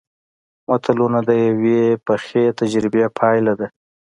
متلونه د یوې پخې تجربې پایله ده